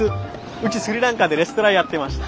うちスリランカでレストランやってました。